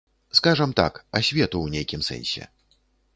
Скажам так, асвету ў нейкім сэнсе.